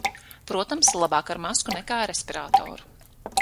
Protams, labāk ar masku nekā respiratoru.